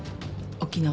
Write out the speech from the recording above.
沖縄。